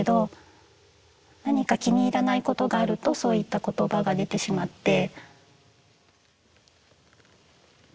何か気に入らないことがあるとそういった言葉が出てしまって。